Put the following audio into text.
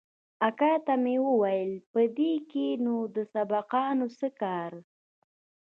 اکا ته مې وويل په دې کښې نو د سبقانو څه کار.